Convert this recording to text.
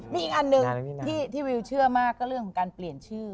มีอีกอันหนึ่งที่วิวเชื่อมากก็เรื่องของการเปลี่ยนชื่อ